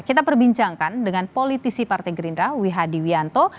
kita perbincangkan dengan politisi partai gerindra wihadiwianto